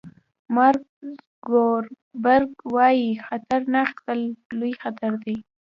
مارک زوګربرګ وایي خطر نه اخیستل لوی خطر دی.